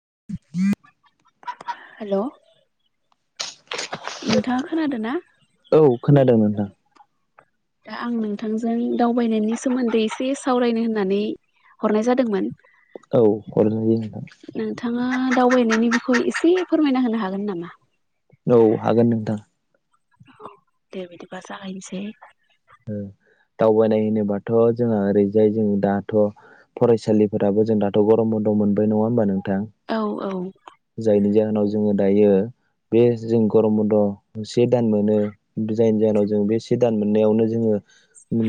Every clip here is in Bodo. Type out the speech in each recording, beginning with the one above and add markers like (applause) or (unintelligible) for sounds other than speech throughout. (inaudible) हेल' नोंथाङा खोनादोना? औ खोनादों नोंथां। दा आं नोंथांजों दावबायनायनि सोमोन्दै एसे सावरायनो होननानै हरनाय जादोंमोन। औ हरजायो नोंथां। नोंथाङा दावबायनायनि बिखौ एसे फोरमायना होनो हागोन नामा? औ हागोन नोंथां। दे बिदिब्ला जागायनोसै दावबायनाय होनोबाथ' जोंहा ओरैजाय जों दाथ' फरायसालिफोराबो जों दाथ' गरम बन्द' मोनबाय नङा होमबा नों थां औ औ जायनि जाहोनाव जोङो दायो बे जों गरम बन्द' से दान मोनो जायनि जाहोनाव जों बे से दान मोननायावनो जोङो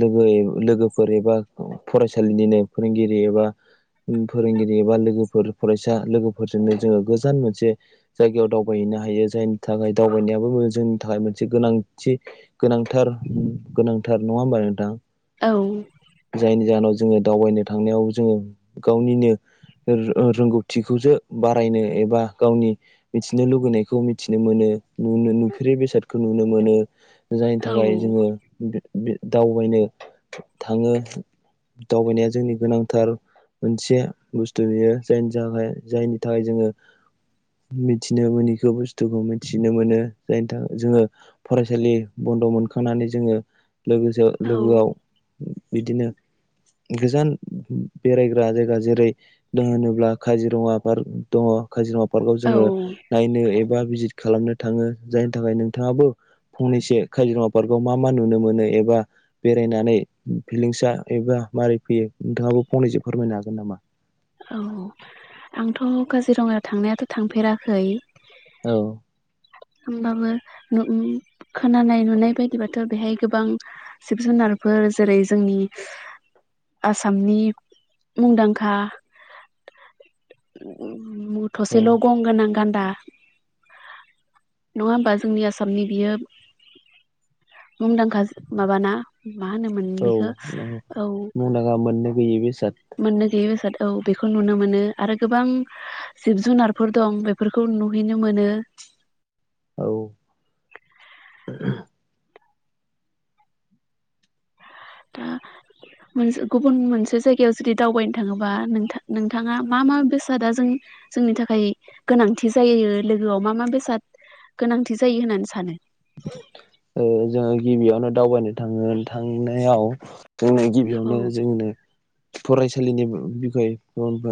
लोगो लोगोफोर एबा फरायसालिनिनो फोरोंगिरि एबा फोरोंगिरि एबा लोगोफोर फरायसा लोगोफोरजोंनो जोङो गोजान मोनसे जायगायाव दावबाय नो हायो जायनि थाखाय दावबायनायाबो जोंनि थाखाय मोनसे गोनांथि गोनांथार। गोनांथार नङा होमबा नोंथां? औ जायनि जाहोनाव जोङो दावबायनो थांनायाव जोङो गावनिनो रोंगौथिखौसो बारायनो एबा गावनि मिथिनो लुुबैनायखौ मिथिनो मोनो। नुनो नुफेरै बेसादखौ नुनो मोनो जायनि औ थाखाय जोङो दावबायनो थाङो दावबायनाया जोंनि गोनांथार। मोनसे बुस्थु नुयो जायनि थाखाय जायनि थाखाय जोङो। मिथिनो मोनिखौ बुस्थुखौ मिथिनो मोनो जायनि थाखाय जोङो फरायसालि बन्द' मोनखांनानै जोङो लोगोसे औ लोगोआव बिदिनो (inaudible) गोजान बेरायग्रा जायगा जेरै दं होनोब्ला काजिरङा पार्क दङ काजिरङा पार्कआव औ जोङो नायनो एबा भिजित खालामनो थाङो जायनि थाखाय नोंथाङाबो फंनैसो काजिरङा पार्क आव मा मा नुनो मोनो एबा बेरायनानै फिलिंसा एबा माबारै फैयो नोंथाङाबो फंनैसो फोरमायनो हागोन नामा औ आंथ काजिरङायाव थांनायाथ थांफेराखै औ होमबाबो नु खोनानाय नुनाय बायदिबाथ बेहाय गोबां जिब जुनार फोर जेरै जोंनि आसामनि मुंदांखा औ मुथसेल' गं गोनां गान्दा नङा होमबा जोंनि आसामनि बियो मुंदांखा जि माबाना मा होनोमोन औ बेखो औ मुंदांखा मोननो गैयि बेसाद मोननो गैयि बेसाद औ बेखौ नुनो मोनो आरो गोबां जिब जुनारफोर दं बेफोरखौ नुनो नुहैनो मोनो औ दा मोनसे गुबुन मोनसे जायगायाव जुदि दावबायनो थाङोबा नोंथां नोंथाङा मा मा बेसादा जोंनि जोंनि थाखाय गोनांथि जायो लोगोआव मा मा बेसाद गोनांथि जायो होननानै सानो ओ जोङो गिबियावनो दावबायनो थाङो थांनायाव जोंनो औ गिबियावनो जोंनो फरायसालिनि बि बिखय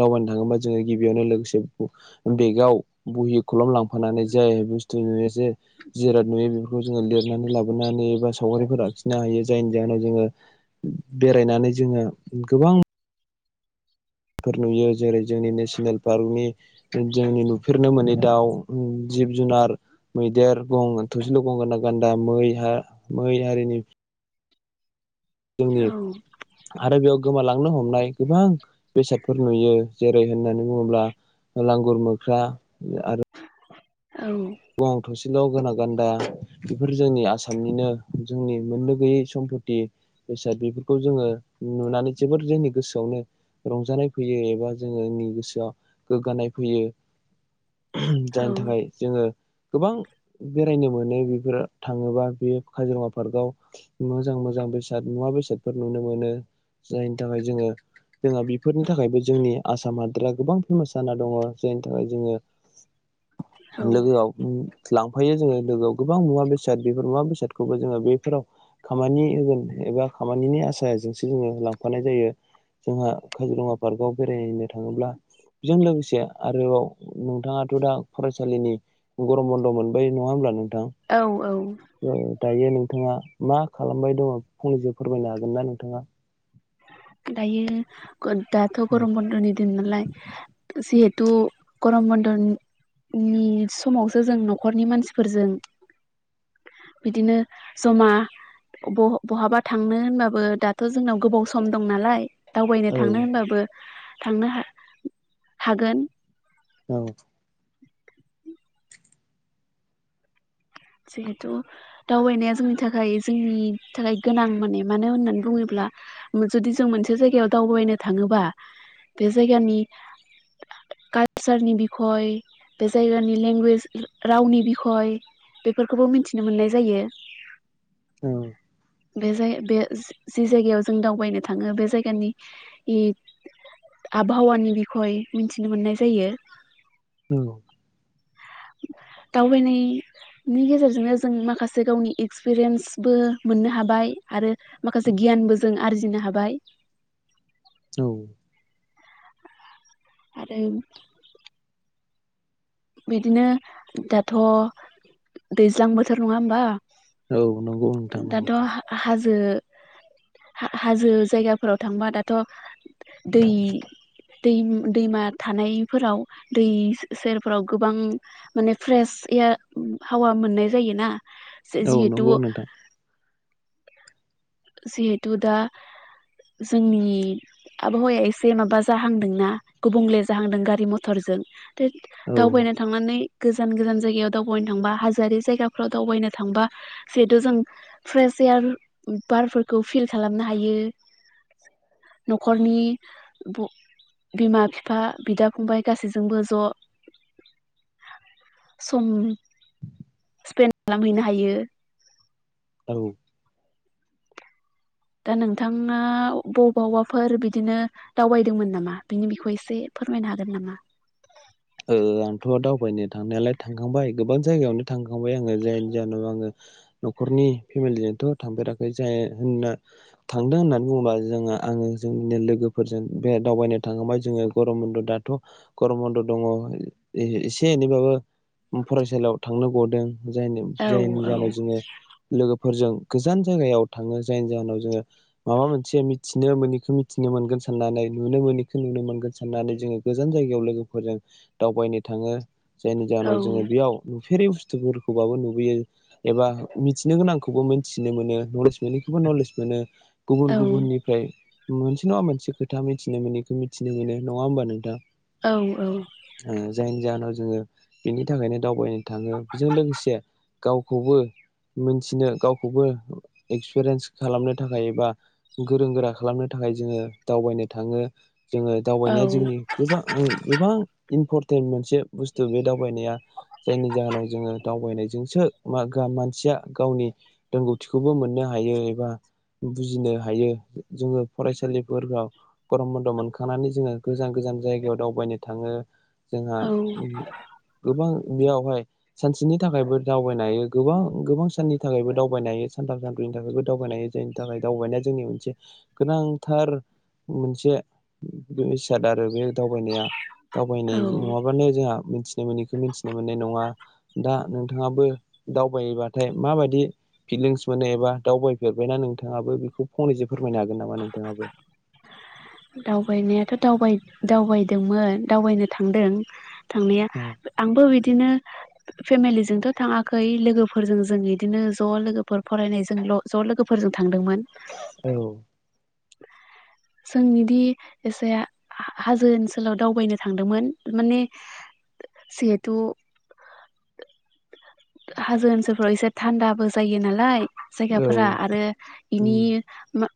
दावबायनो थाङोबा जोङो गिबियावनो लोगोसे बेगआव बहि खलम लांफानानै जे बुस्थु जे जिराद नुयो बेफोरखौ जोङो लिरनानै लाबोनानै एबा सावगारिफोर आखिनो हायो जायनि जाहोनाव जोङो बेरायनानै जोङो गोबां फोर नुयो जेरै जोंनि नेसनेल पार्कनि जोंनि नुफेरनो मोनै दाउ उम जिब जुनार मैदेर गं थसेल' गं गोनां गान्दा मै हारिनि जोंनि औ आरो बेयाव गोमालां लांनो हमनाय गोबां बेसादफोर नुयो जेरै होननानै बुङोब्ला लांगुर मोख्रा आरो औ गं थसेल सेल गोनां‌ गान्दा बेफोर जोंनि आसामनिनो जोंनि मोननो गैयै सम्पति बेसाद बेफोरखौ जोङो नुनानै जोबोद जोंनि गोसोआवनो रंजानाय फैयो एबा जोङोनि गोसोआव गोग्गानाय फैयो औ जायनि थाखाय जोङो गोबां बेरायनो मोनो बेफोर थाङोबा बे काजिरङा पार्कआव मोजां मोजां बेसाद मुवा बेसादफोर नुनो मोनो जायनि थाखाय जोङो जोंहा बेफोरनि थाखायबो जोंनि आसाम हादोरा गोबां फेमास जाना दङ जायनि थाखाय जोङो (inaudible) औ लोगोआव उम लांफायो जोङो लोगोआव गोबां मुवा बेसाद बेफोर मुवा बेसादखौबो जोङो बेफोराव खामानि होगोन एबा खामानिनि आसाजोंसो जोङो लांफानाय जायो जोंहा काजिरङा पार्कआव बेरायहैनो थाङोब्ला बेजों लोगोसे आरोबाव नोंथाङाथ दा फरायसालिनि गरम बन्द मोनबाय नङा होमब्ला औ औ नोंथां दायो नों नोंथाङा मा खालामबाय दङ फंनैसो फोरमायनो हागोन ना नोंथाङा दायो दाथ औ गरम बन्दनि दिन नालाय जिहे तु गरम बन्द नि समावसो जों नखरनि मानसिफोरजों बिदिनो जमा बह बहाबा थांनो होनबाबो दाथ जोंनाव गोबाव सम दं नालाय दावबायनो औ थांनो होनबाबो थांनो हा-हागोन औ जिहेथु दावबायनाया जोंनि थाखाय जोंनि थाखाय गोनां मोने मानो होननानै बुङोब्ला जुदि जों मोनसे जायगाआव दावबायनो थाङोबा बे जायगानि कालसारनि बिखय बे जायगानि लेंगुवेज रावनि बिखय बेफोरखौबो मिनथिनो मोननाय जायो। औ बे जाय बे जे जायगायाव जों दावबायनो थाङो बे जायगानि आबहावानि बिखय मिनथिनो मोननाय जायो। औ नि गेजेरजोंनो जों माखासे गावनि एक्सपिरियेन्सबो मोननो हाबाय आरो माखासे गियानबो जों आरजिनो हाबाय। औ आरो बिदिनो दाथ' दैज्लां बोथोर नङा होमबा? औ नंगौ नोंथां नंगौ दाथ' हा-हाज जो हा-हाजो जायगाफोराव थांबा दाथ' दै-दै-दैमा थानायफोराव दै सेर फोराव गोबां माने फ्रेश एयार हावा मोननाय जायोना। जे औ जिहेथु नंगौ नोंथां जिहेथु दा जोंनि आबहावाया एसे माबा जाहांदोंना गुबुंले जाहांदों गारि मथरजों। द औ दावबायना थांनानै गोजान गोजान जायगायाव दावबायनो थांबा हाजोआरि जायगाफ्राव दावबायनो थांबा जिहेथु जों फ्रेस यार बारफोरखौ फिल खालामनो हायो। न'खरनि ब बिमा बिफा बिदा फंबाय गासैजोंबो ज' सम स्पेन्ड खालामहैनो हायो। औ दा नोंथाङा बबावबाफोर बिदिनो दावबायदोंमोन नामा? बिनि बिखय एसे फोरमायनो हागोन नामा? ओ आंथ' दावबायनो थांनायालाय थांखांबाय गोबां जायगायावनो थांखांबाय आङो जायनि जाहोनाव आङो न'खरनि फेमिलिजोंथ' थांफेराखै जाय होनना थांदों होननानै बुङोबा जोंहा आङो जोंनो लोगोफोरजों बे दावबायनो थाङोबा जोङो गरम बन्द दाथ' गरम बन्द दङ एसे एनैबाबो फरायसालियाव थांनो गदों। जायनि औ जायनि औ जाहोनाव जोङो लोगो फोरजों गोजान जायगायाव थाङो जायनि जाहोनाव जोङो माबा मोनसे मिथिनो मोनैखौ मिथिनो मोनगोन। साननानै नुनो मोनैखौ नुनो मोनगोन साननानै जोङो गोजान जायगायाव लोगोफोरजों दावबायनो थाङो जायनि औ जाहोनाव जोङो बेयाव फेरै बुस्थुफोरखौबाबो नुबोयो एबा मिथिनो गोनांखौबो मिनथिनो मोनो नलेज मोनैखौबो नलेज मोनो औ गुबुन गुबुननिफ्राय। मोनसे नङा मोनसे खोथा मिथिनो मोनैखौ मिथिनो मोनो नङा होमबा नोंथां? औ औ। ओ जायनि जाहोनाव जोङो बिनि थाखायनो दावबायनो थाङो बेजों लोगोसे गावखौबो मोनथिनो गावखौबो एक्सपिरियेन्स खालामनो थाखाय एबा गोरों गोरा खालामनो थाख थाखाय जोङो दावबायनो थाङो। जोङो औ दावबायनाया जोंनि गोबां गोबां इम्परटेन्ट मोनसे बुस्थु बे दावबायनाया जायनि जाहोनाव जोङो दावबायनाय जोंसो मा गा मानसिया गावनि रोंगौथिखौबो मोननो हायो एबा बुजिनो हायो जोंङो फरायसालिफोराव गरम बन्द मोनखांनानै जोंङो गोजान गोज गोजान जायगायाव दावबायनो थांङो जोंहा औ ओ गोबां बेयावहाय सानसेनि थाखायबो दावबायनो हायो गोबां गोबां साननि थाखायबो दावबायनो हायो सानथाम सानब्रै नि दावबायनो जायनि थाखाय दावबायनाया जोंनि मोनसे गोनांथार मोनसे इसाद आरो बे दावबायनो। दावबायनाय औ नंङाबानो जोंहा मिथिनो मोनैखौ मिथिनो मोननाय नंङा। दा नों थांङाबो दावबायबाथाय माबायदि फिलिंस मोनो एबा दावबायफेरबायना नोंथांङाबो बेखौ फंनैसो फोरमायनो हागोन नामा नोंथांङाबो? दावबायनायाथ' दावबाय दावबायदोंमोन दावबायनो थांदों थांनाया औ आंबो बिदिनो फेमिलिजोंथ थाङाखै लोगोफोरजों जों इदिनो ज' लोगोफोर फरायनायजोंल ज' लोगोफोरजों थां थांदोंमोन। औ जों बिष, दि एसे हा हाजो ओनसोलाव दावबायनो थांदोंमोन माने जेहेथु हाजो ओनसोलफ्राव एसे थान्दाबो जायो नालाय। जायगाफोरा औ आरो बेनि मा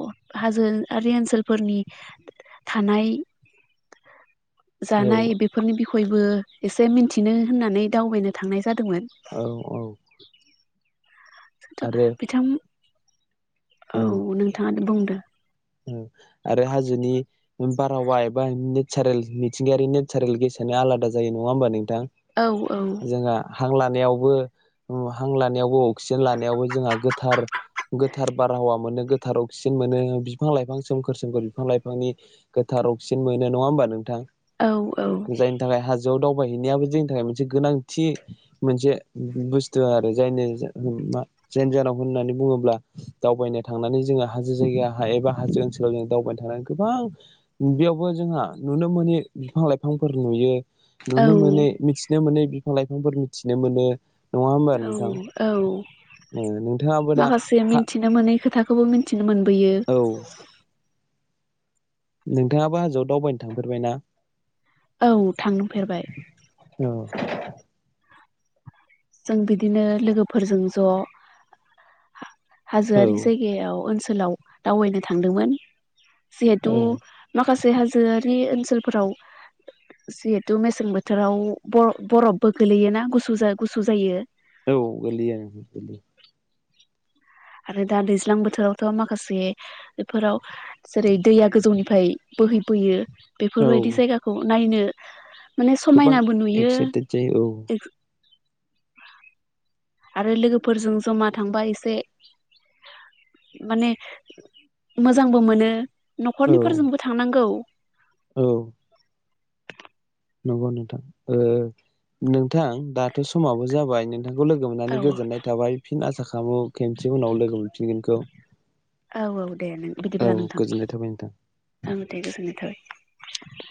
अ हाजोआरि ओनसोलफोरनि थानाय औ जानाय बेफोरनि बिखयबो एसे मिथिनो होननानै दावबायनो थांनाय जादोंमोन। औ औ (unintelligible) (unintelligible) आरो बिथां, औ नोंथांङा बुंदों। उम आरो हाजोनि बारहावा एबा नेचारेल मिथिंगायारि नेचारेल गेसानो आलादा जायो नंङा होमबा नोंथां? औ जोंहा हां लानायावबो उम हां लानायावबो अक्सिजेन लानायावबो जोंहा गोथार गोथार बारहावा मोनो, गोथार अक्सिजेन मोनो, बि फां लाइफां सोमखोर सोमखोर बिफां लाइफांनि गोथार अक्सिजेन मोनो नंङा होमबा नोंथां? औ औ जायनि थाखाय हाजोआव दाव बायहैनायाबो जोंनि थाखाय मोनसे गोनांथि मोनसे बुस्थु आरो जायनि मा जानांगौ होननानै बुङोब्ला दावबायनो थांनानै जोंङो हाजो जायगाया एबा हाजो ओनसोलाव जों दावबायनो थानानै गोबां बेयावबो जोंहा नुनो मोनोनि बिफां लाइफांफोर नुयो। नुनो औ मोनै मिथिनो मोनै बिफां लाइफांफोर मिथिनो मोनो। नङा होमबा औ नोंथां औ ओ नोंथाङाबो दा माखासे हा मिथिनो मोनै खोथा खौबो मिथिनो मोनबोयो। नोंथांङाबो हाजोआव दावबायनो थांफेरबायना? औ थांफेरबाय। औ जों बिदिनो लोगोफोरजों ज औ हाजोआरि जायगायाव ओनसोलाव दावबायनो थांदोंमोन। औ जिहेथु माखासे हाजोआरि ओनसोलफोराव जिहेथु मेसें बोथोराव ब बरफबो गोलैयोना गुसु गुसु जायो? औ गोलैयो गोलैयो। आरो दा दैज्लां बोथोरावथ माखासे बेफोराव जेरै दैया गोजौनिफ्राय बोहैबोयो बेफोरबायदि औ जायगाखौ नायनो माने गोबां समायनाबो नुयो एक्साइटेड जायो औ आरो लोगोफोरजों जमा थांबा एसे माने मोजांबो मोनो। औ नखरनिफोरजोंबो थांनांगौ। औ नंगौ नोंथां ओ नोंथां दाथ समाबो जाबाय नों नोंखौ लोगो औ मोननानै गोजोननाय थाबाय फिन आसा खालामो खेनसे उनाव लोगो मोनफिनगोनखौ। औ औ दे नों औ बिदिब्ला नोंथां, गोजोननाय थाबाय नोंथां ओं दे गोजोननाय थाबाय।